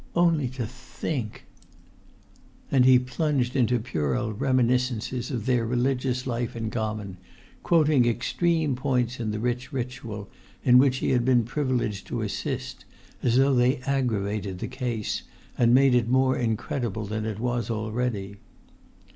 Only to think——" And he plunged into puerile reminiscences of their religious life in common, quoting extreme points in the rich ritual in which he had been privileged to assist, as though they aggravated the case, and made it more incredible than it was already.